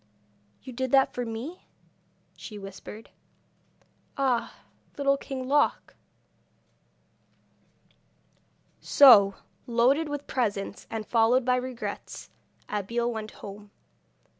'You did that for me?' she whispered. 'Ah, Little King Loc !'So, loaded with presents, and followed by regrets, Abeille went home.